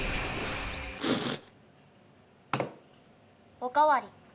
おかわり。